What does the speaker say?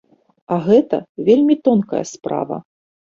А гэта вельмі тонкая справа.